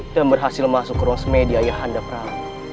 dan berhasil masuk krosmedia ayahanda prabu